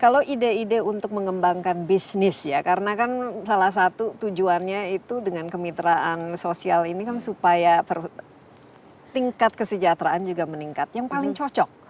kalau ide ide untuk mengembangkan bisnis ya karena kan salah satu tujuannya itu dengan kemitraan sosial ini kan supaya tingkat kesejahteraan juga meningkat yang paling cocok